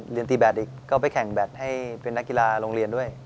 ตีแบตอีกก็ไปแข่งแบตให้เป็นนักกีฬาโรงเรียนด้วย